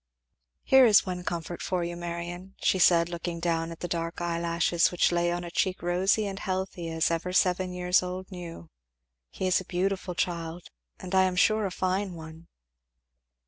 "Here is one comfort for you, Marion," she said looking down at the dark eyelashes which lay on a cheek rosy and healthy as ever seven years old knew; "he is a beautiful child, and I am sure, a fine one."